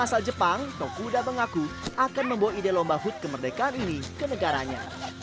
asal jepang tokuda mengaku akan membawa ide lomba hood kemerdekaan ini ke negaranya